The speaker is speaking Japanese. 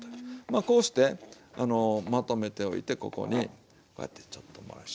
まあこうしてまとめておいてここにこうやってちょっと。